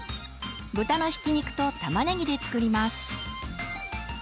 豚のひき肉と玉ねぎで作ります。